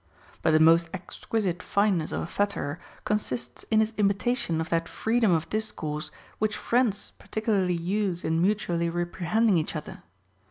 But the most exquisite fineness of a flatterer consists in his imitation of that freedom of discourse which friends particularly use in mutually reprehending each other.